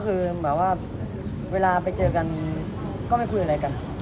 คือแบบว่าเวลาไปเจอกันก็ไม่คุยอะไรกัน